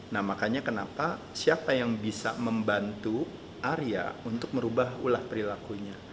nah makanya kenapa siapa yang bisa membantu arya untuk merubah ulah perilakunya